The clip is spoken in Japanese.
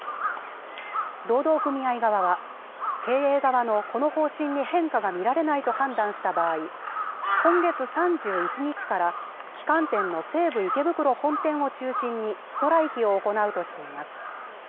労働組合側は、経営側のこの方針に変化が見られないと判断した場合、今月３１日から、旗艦店の西武池袋本店を中心に、ストライキを行うとしています。